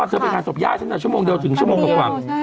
เชิงฟิมาตีเดียวแล้วกับฝั่ง